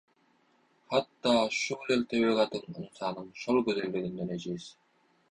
Hatda şu gözel tebigatam ynsanyň şol gözelliginden ejiz.